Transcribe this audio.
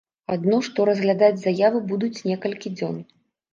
Адно што, разглядаць заяву будуць некалькі дзён.